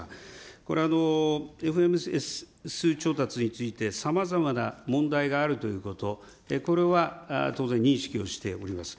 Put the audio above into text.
これ、ＦＭＳ調達についてさまざまな問題があるということ、これは当然認識をしております。